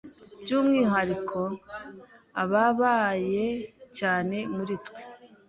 by’umwihariko abababaye cyane muri twe